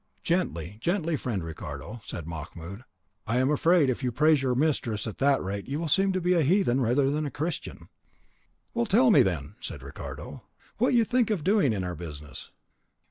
"Gently, gently, friend Ricardo," said Mahmoud; "I am afraid if you praise your mistress at that rate you will seem to be a heathen rather than a Christian." "Well, tell me then," said Ricardo, "what you think of doing in our business.